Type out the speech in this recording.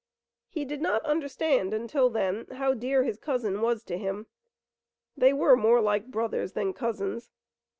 He did not understand until then how dear his cousin was to him. They were more like brothers than cousins.